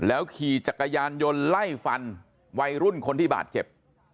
ขี่จักรยานยนต์ไล่ฟันวัยรุ่นคนที่บาดเจ็บ